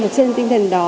trên tinh thần đó